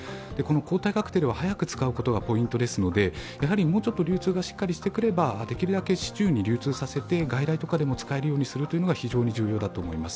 抗体カクテルは早く使うことがポイントですのでもうちょっと流通がしっかりしてくればできるだけ市中に流通させて、外来でも使えるようにするのが非常に重要だと思います。